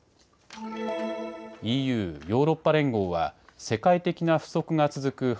ＥＵ・ヨーロッパ連合は世界的な不足が続く